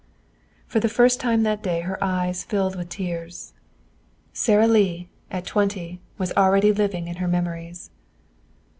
For the first time that day her eyes filled with tears. Sara Lee, at twenty, was already living in her memories.